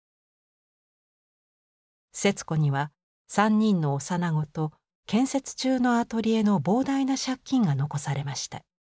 節子には３人の幼子と建設中のアトリエの膨大な借金が残されました。